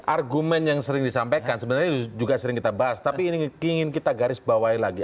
argumen yang sering disampaikan sebenarnya juga sering kita bahas tapi ini ingin kita garis bawahi lagi